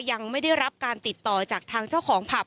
ยังไม่ได้รับการติดต่อจากทางเจ้าของผับ